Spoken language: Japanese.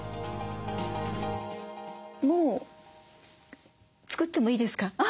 もう作ってもいいですか？